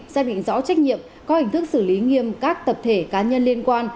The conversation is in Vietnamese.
xác định rõ trách nhiệm có hình thức xử lý nghiêm các tập thể cá nhân liên quan